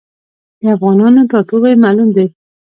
د افغانانو ټاټوبی معلوم دی.